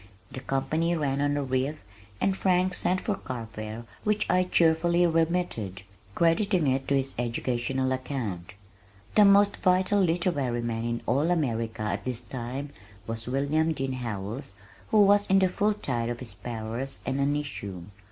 The company ran on a reef and Frank sent for carfare which I cheerfully remitted, crediting it to his educational account. The most vital literary man in all America at this time was Wm. Dean Howells who was in the full tide of his powers and an issue.